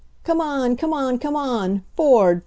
"Come on, come on, come on ! Ford